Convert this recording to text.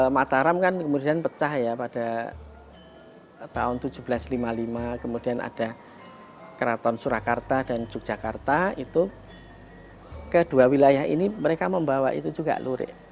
mataram kan kemudian pecah ya pada tahun seribu tujuh ratus lima puluh lima kemudian ada keraton surakarta dan yogyakarta itu kedua wilayah ini mereka membawa itu juga lurik